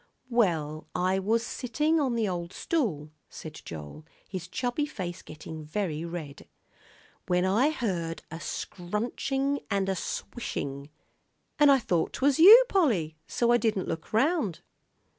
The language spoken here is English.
"Well, I was sittin' on the old stool," said Joel, his chubby face getting very red, "when I heard a scrunchin' an' a swishin', an' I thought 'twas you, Polly, so I didn't look round."